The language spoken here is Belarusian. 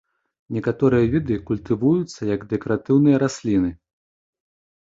Некаторыя віды культывуюцца як дэкаратыўныя расліны.